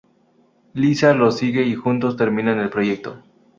Lisa lo sigue y juntos terminan el proyecto.